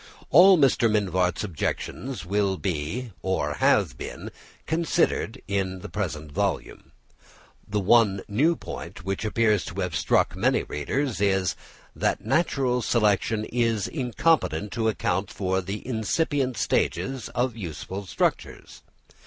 All Mr. Mivart's objections will be, or have been, considered in the present volume. The one new point which appears to have struck many readers is, "That natural selection is incompetent to account for the incipient stages of useful structures."